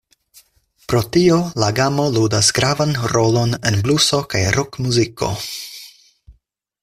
Pro tio la gamo ludas gravan rolon en bluso kaj rokmuziko.